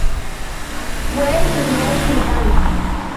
Fue el primer sultán.